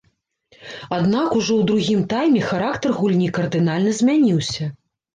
Аднак ужо ў другім тайме характар гульні кардынальна змяніўся.